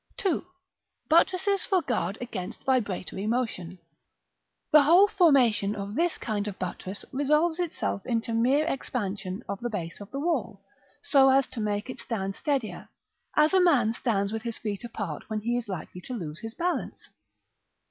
§ IV. 2. Buttresses for guard against vibratory motion. The whole formation of this kind of buttress resolves itself into mere expansion of the base of the wall, so as to make it stand steadier, as a man stands with his feet apart when he is likely to lose his balance.